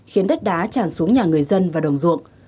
khiến đất đá tràn xuống nhà người dân và đồng ruộng